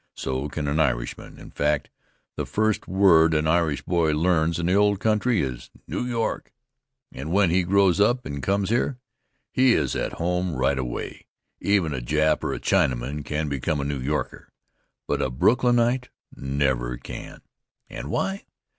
So can an Irishman; in fact, the first word an Irish boy learns in the old country is "New York," and when he grows up and comes here, he is at home right away. Even a Jap or a Chinaman can become a New Yorker, but a Brooklynite never can. And why?